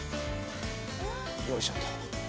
よいしょっと。